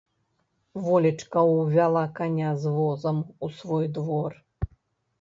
Волечка ўвяла каня з возам у свой двор.